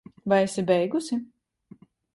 Vai esi beigusi?